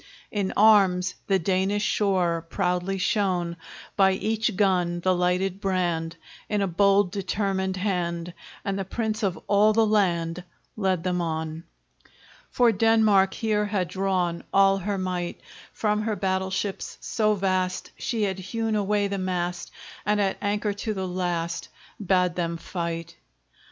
In arms the Danish shore Proudly shone; By each gun the lighted brand, In a bold determined hand, And the Prince of all the land Led them on! For Denmark here had drawn All her might! From her battle ships so vast She had hewn away the mast, And at anchor to the last Bade them fight!